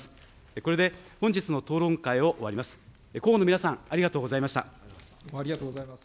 これで本日の討論会を終わります。